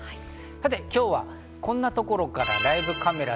さて今日は、こんなところからＬＩＶＥカメラ。